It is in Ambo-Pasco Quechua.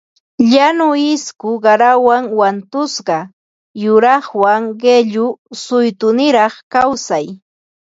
Llañu isku qarawan wankusqa yuraqwan qillu suytuniraq kawsay